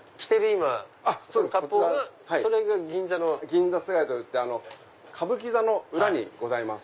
銀座すが家といって歌舞伎座の裏にございます。